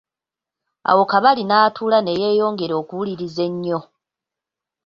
Awo Kabali n'atuula ne yeyongera okuwuliriza ennyo.